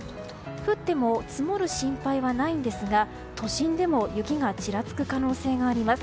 降っても積もる心配はないんですが都心でも雪がちらつく可能性があります。